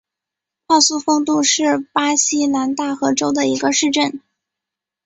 帕苏丰杜是巴西南大河州的一个市镇。